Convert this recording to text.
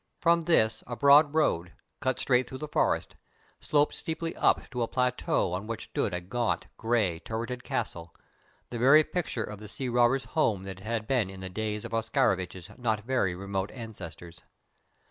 From this a broad road, cut straight through the forest, sloped steeply up to a plateau on which stood a gaunt, grey, turreted castle, the very picture of the sea robbers' home that it had been in the days of Oscarovitch's not very remote ancestors.